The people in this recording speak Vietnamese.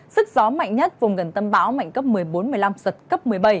sức gió mạnh nhất vùng gần tâm bão mạnh cấp một mươi bốn một mươi năm giật cấp một mươi bảy